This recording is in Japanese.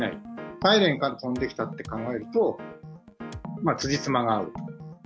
大連から飛んできたって考えると、つじつまが合う。